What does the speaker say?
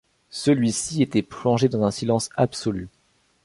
Celui-ci était plongé dans un silence absolu